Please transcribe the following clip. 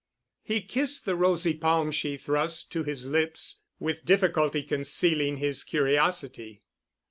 He kissed the rosy palm she thrust to his lips, with difficulty concealing his curiosity.